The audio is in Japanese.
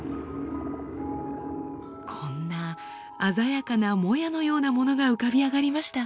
こんな鮮やかなもやのようなものが浮かび上がりました。